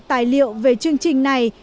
tài liệu về chương trình này